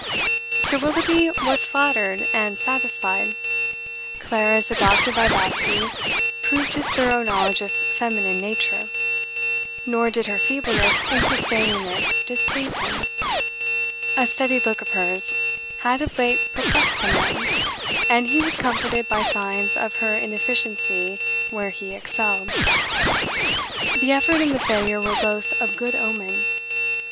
Sir Willoughby was flattered and satisfied. Clara's adopted vivacity proved his thorough knowledge of feminine nature; nor did her feebleness in sustaining it displease him. A steady look of hers had of late perplexed the man, and he was comforted by signs of her inefficiency where he excelled. The effort and the failure were both of good omen.